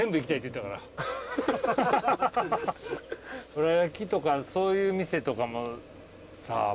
どら焼きとかそういう店とかも映え。